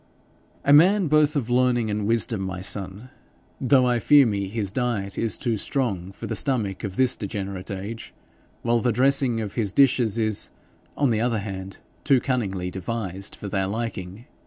'A man both of learning and wisdom, my son, though I fear me his diet is too strong for the stomach of this degenerate age, while the dressing of his dishes is, on the other hand, too cunningly devised for their liking.